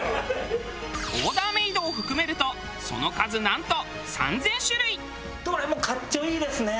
オーダーメイドを含めるとその数なんと格好いい！